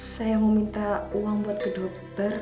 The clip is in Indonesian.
saya mau minta uang buat kedokter